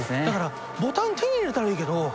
だからボタン手に入れたらいいけど。